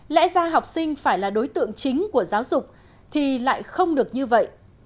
lẽ ra học sinh phải là đối tượng chính của giáo dục thì lại không được như vậy